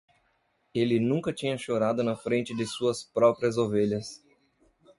Ele nunca tinha chorado na frente de suas próprias ovelhas.